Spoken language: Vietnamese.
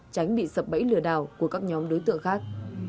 tránh bị sập bẫy lừa đảo của các nhóm đối tượng khác